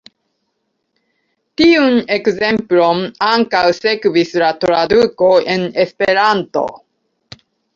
Tiun ekzemplon ankaŭ sekvis la traduko en esperanto.